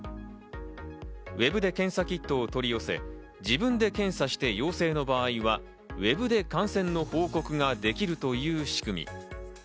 ＷＥＢで検査キットを取り寄せ、自分で検査して陽性の場合はＷＥＢで感染の報告ができるという仕組み。